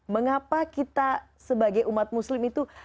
mengapa kita sebagai umat muslim itu